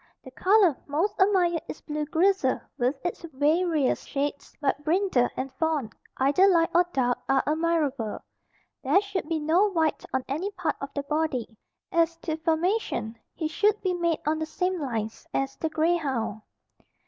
The color most admired is blue grizzle with its various shades but brindle and fawn, either light or dark are admirable. There should be no white on any part of the body. As to formation, he should be made on the same lines as the grey hound.